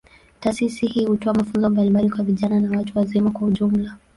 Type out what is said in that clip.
Taasisi hii hutoa mafunzo mbalimbali kwa vijana na watu wazima kwa ujumla.